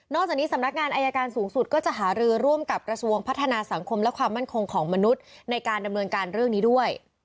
จากนี้สำนักงานอายการสูงสุดก็จะหารือร่วมกับกระทรวงพัฒนาสังคมและความมั่นคงของมนุษย์ในการดำเนินการเรื่องนี้ด้วย